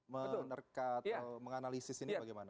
menerka atau menganalisis ini bagaimana